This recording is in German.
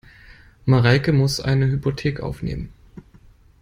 Mareike muss eine Hypothek aufnehmen.